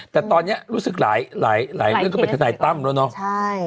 แต่ตอนนี้รู้สึกหลายหลายเรื่องก็เป็นทนายตั้มแล้วเนาะ